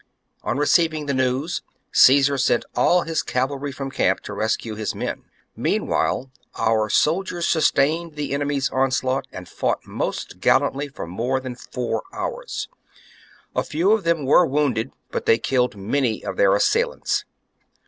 On receiving the news, Caesar sent all his cavalry from camp to rescue his men. Meanwhile our soldiers sustained the enemy's onslaught and fought most gallantly for more than four hours ; a few of them were wounded, but they killed many of their assailants.